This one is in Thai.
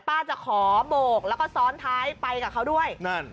ป้าจะขอโบกแล้วก็ซ้อนท้ายไปกับเขาด้วยนั่น